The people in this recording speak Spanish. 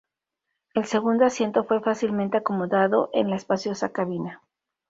El segundo asiento fue fácilmente acomodado en la espaciosa cabina.